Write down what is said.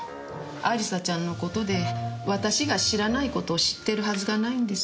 亜里沙ちゃんのことで私が知らないことを知ってるはずがないんです。